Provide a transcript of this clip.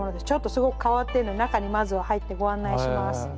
ちょっとすごく変わってるので中にまずは入ってご案内します。